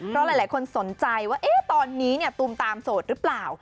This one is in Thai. เพราะหลายคนสนใจว่าตอนนี้ตูมตามโสดหรือเปล่า